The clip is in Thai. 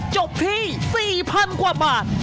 จบที่สี่พันกว่าบาท